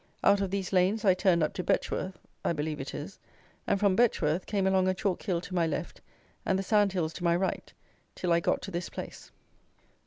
Out of these lanes I turned up to "Betchworth" (I believe it is), and from Betchworth came along a chalk hill to my left and the sand hills to my right, till I got to this place.